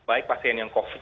baik pasien yang covid